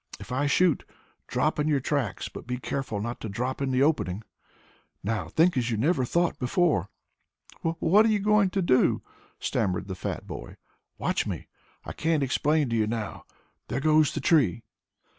If I shoot, drop in your tracks, but be careful not to drop in the opening. Now think as you never thought before!" "Wha what are you going to do?" stammered the fat boy. "Watch me. I can't explain it to you now. There goes the tree."